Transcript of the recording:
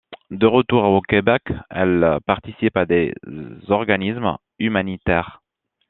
De retour au Québec, elle participe à des organismes humanitaires.